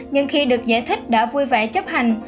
nhưng khi được giải thích đã vui vẻ chấp hành